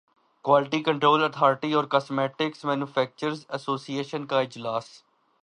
quality control authority اور cosmetics manufacturers association کا اجلاس